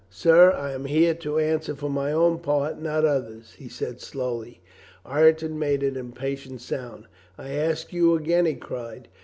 "Sir, I am here to answer for my own part, not others," he said slowly. Ireton made an impatient sound. "I ask you again," he cried.